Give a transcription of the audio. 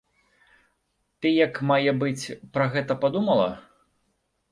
Ты як мае быць пра гэта падумала?